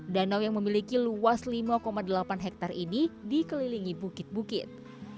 danau yang memiliki luas lima delapan hektare ini dikelilingi bukit bukit